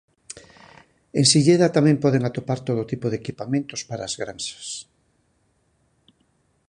En Silleda tamén poden atopar todo tipo de equipamentos para as granxas.